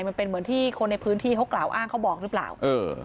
มันเป็นเหมือนที่คนในพื้นที่เขากล่าวอ้างเขาบอกหรือเปล่าเออ